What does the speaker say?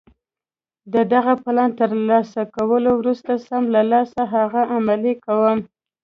د دغه پلان له ترلاسه کولو وروسته سم له لاسه هغه عملي کوم.